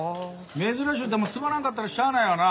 珍しゅうてもつまらんかったらしゃあないわな。